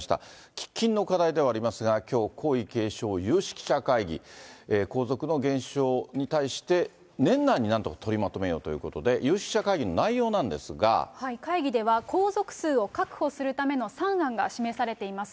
喫緊の課題ではありますが、きょう、皇位継承有識者会議、皇族の減少に対して、年内になんとか取りまとめようということで、有識者会議の内容な会議では、皇族数を確保するための３案が示されています。